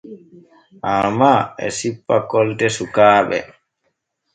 Arman e sippa kolte sukaaɓe.